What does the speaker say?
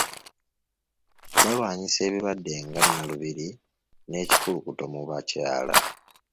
Balwanyisa ebirwadde nga Nnalubiri n'ekikulukuto mu bakyala.